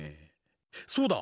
そうだ！